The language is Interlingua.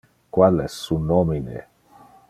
Qual es su nomine?